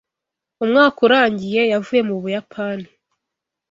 Umwaka urangiye yavuye mu Buyapani.